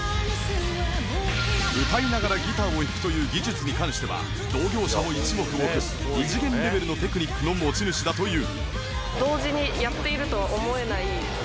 歌いながらギターを弾くという技術に関しては同業者も一目置く異次元レベルのテクニックの持ち主だという